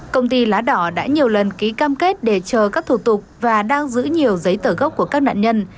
công ty lá đỏ đã nhiều lần ký cam kết để chờ các thủ tục và đang giữ nhiều giấy tờ gốc của các nạn nhân